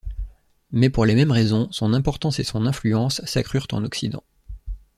Mais pour les mêmes raisons, son importance et son influence s'accrurent en Occident.